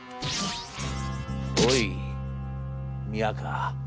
『おい宮河。